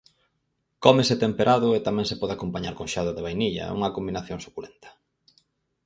Cómese temperado e tamén se pode acompañar con xeado de vainilla, unha combinación suculenta.